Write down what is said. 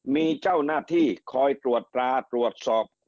มีเจ้าหน้าที่คอยตรวจสอบ